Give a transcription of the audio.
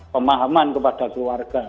pemahaman kepada keluarga